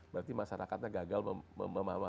berarti masyarakatnya gagal membangun ekosistem